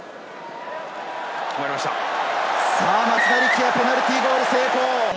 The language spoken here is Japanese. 松田力也、ペナルティーゴール成功。